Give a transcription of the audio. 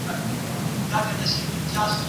شېخ سره وښورېدی زموږ ومخته کم راغی